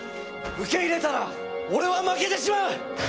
受け入れたら俺は負けてしまう！